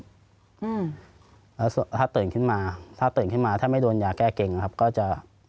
อืมแล้วถ้าตื่นขึ้นมาถ้าตื่นขึ้นมาถ้าไม่โดนยาแก้เก่งนะครับก็จะ